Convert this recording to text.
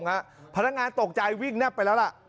พนักงานตกใจวิ่งแนบไปแล้วล่ะ